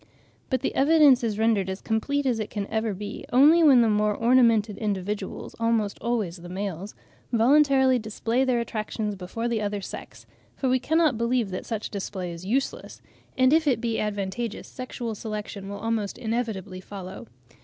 But the evidence is rendered as complete as it can ever be, only when the more ornamented individuals, almost always the males, voluntarily display their attractions before the other sex; for we cannot believe that such display is useless, and if it be advantageous, sexual selection will almost inevitably follow.